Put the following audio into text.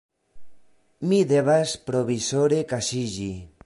Mi devas provizore kaŝiĝi.